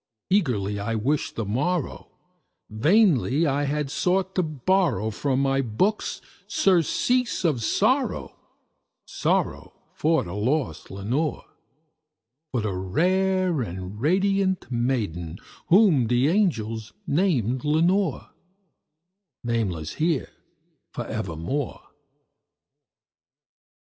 Eagerly I wished the morrow; vainly I had sought to borrow From my books surcease of sorrow sorrow for the lost Lenore For the rare and radiant maiden whom the angels name Lenore Nameless here for evermore.